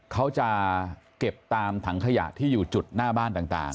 เขาจะเก็บตามถังขยะที่อยู่จุดหน้าบ้านต่าง